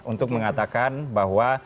untuk mengatakan bahwa